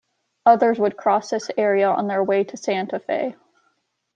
Others would cross this area on their way to Santa Fe.